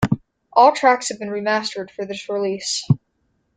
All tracks have been remastered for this release.